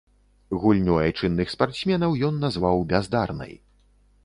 Гульню айчынных спартсменаў ён назваў бяздарнай.